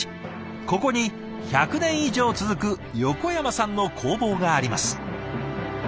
ここに１００年以上続く横山さんの工房があります。